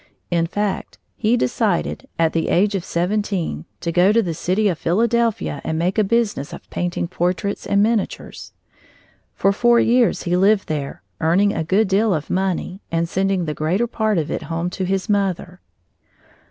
In fact, he decided, at the age of seventeen, to go to the city of Philadelphia and make a business of painting portraits and miniatures. For four years he lived there, earning a good deal of money and sending the greater part of it home to his mother.